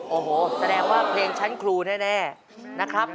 โอ้โหแสดงว่าเพลงชั้นครูแน่นะครับ